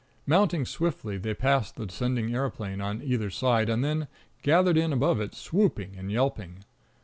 Mounting swiftly, they passed the descending aeroplane on either side, and then gathered in above it, swooping and yelping.